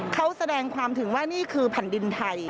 เขาแสดงความถึงว่านี่คือแผ่นดินไทย